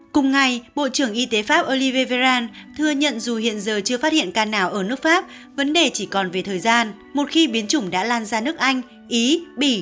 cùng ngày bộ trưởng y tế pháp oliveral thừa nhận dù hiện giờ chưa phát hiện ca nào ở nước pháp vấn đề chỉ còn về thời gian một khi biến chủng đã lan ra nước anh ý bỉ